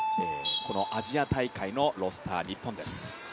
このアジア大会のロースター、日本です。